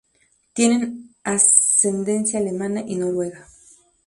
Tiene ascendencia alemana y noruega.